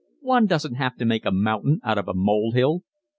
One doesn't have to make a mountain out of a molehill.